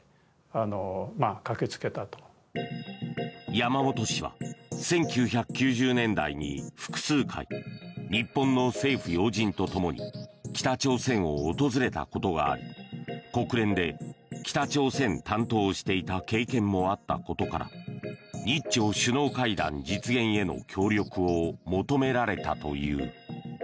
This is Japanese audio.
山本氏は、１９９０年代に複数回、日本の政府要人と共に北朝鮮を訪れたことがあり国連で北朝鮮担当をしていた経験もあったことから日朝首脳会談実現への協力を求められたという。